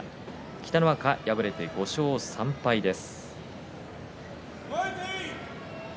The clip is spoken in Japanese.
北の若は５勝３敗です。